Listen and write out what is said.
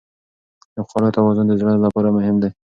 د خوړو توازن د زړه لپاره مهم دی.